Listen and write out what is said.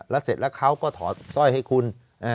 แล้วเสร็จแล้วเขาก็ถอดสร้อยให้คุณ